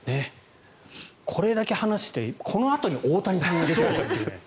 これだけ話してこのあとに大谷さんが出てくる。